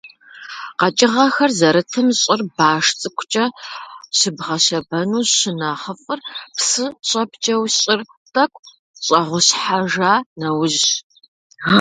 Къэкӏыгъэхэр зэрытым щӏыр баш цӏыкӏукӏэ щыбгъэщэбэну щынэхъыфӏыр псы щӏэпкӏэу щӏыр тӏэкӏу щӏэгъущхьэжа нэужьщ.